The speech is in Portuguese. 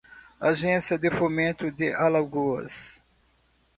Agência de Fomento de Alagoas